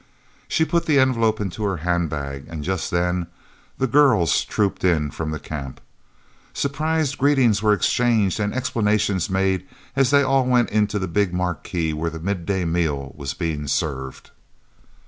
She put the envelope into her handbag, and just then "the girls" trooped in from the Camp. Surprised greetings were exchanged and explanations made as they all went into the big marquee where the midday meal was being served.